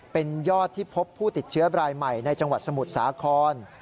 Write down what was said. เป็นยอดที่พบผู้ติดเชื้อรายใหม่ในจังหวัดสมุทรสาคร